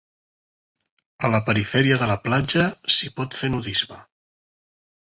A la perifèria de la platja, s'hi pot fer nudisme.